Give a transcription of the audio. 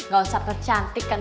gak usah percantik kan